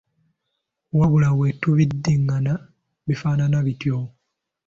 wabula bwe tubiddingana bifaanana bityo.